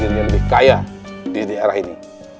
yang lebih kaya di daerah ini